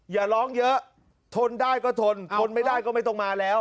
อย่าร้องเยอะทนได้ก็ทนทนไม่ได้ก็ไม่ต้องมาแล้ว